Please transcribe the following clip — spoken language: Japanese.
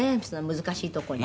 難しいとこに。